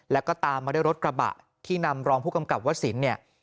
แล้วก็ตามมาด้วยรถกระบะที่นำรองผู้กำกับวสินเนี่ย